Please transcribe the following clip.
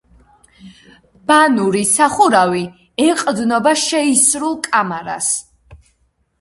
ბანური სახურავი ეყრდნობა შეისრულ კამარას.